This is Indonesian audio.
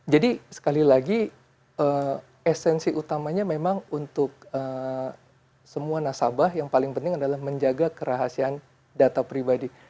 jadi sekali lagi esensi utamanya memang untuk semua nasabah yang paling penting adalah menjaga kerahasiaan data pribadi